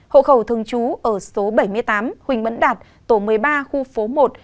hộ khẩu thường trú ở số bảy mươi tám huỳnh mẫn đạt tổ một mươi ba khu phố một